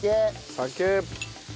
酒。